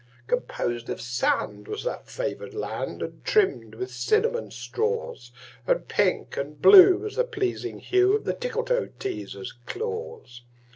Composed of sand was that favored land, And trimmed with cinnamon straws; And pink and blue was the pleasing hue Of the Tickletoeteaser's claws.